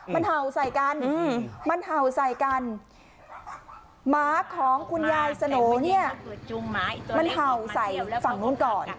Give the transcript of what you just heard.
มันเห่าใส่กันมันเห่าใส่กันหมาของคุณยายสโหน่เนี่ยมันเห่าใส่ฝั่งนู้นก่อน